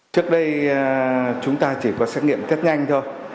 trước đây chúng ta chỉ có xét nghiệm rất nhanh thôi